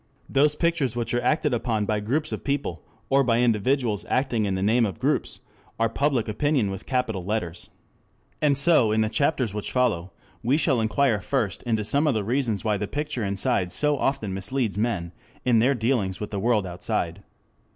Those pictures which are acted upon by groups of people, or by individuals acting in the name of groups, are Public Opinion with capital letters. And so in the chapters which follow we shall inquire first into some of the reasons why the picture inside so often misleads men in their dealings with the world outside.